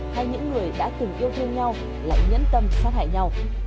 hay những người đã tình yêu thương nhau lại nhẫn tâm sát hại nhau